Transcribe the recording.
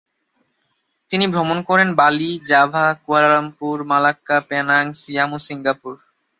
তিনি ভ্রমণ করেন Bali, Java, Kuala Lumpur, Malacca, Penang, Siam ও সিঙ্গাপুর।